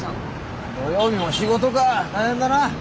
土曜日も仕事か大変だな。